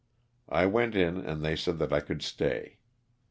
I went in and they said that I could stay.